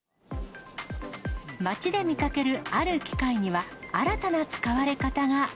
街で見かけるある機械には新たな使われ方が。